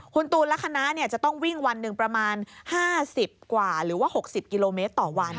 คุณตูนและคณะจะต้องวิ่งวันหนึ่งประมาณ๕๐กว่าหรือว่า๖๐กิโลเมตรต่อวัน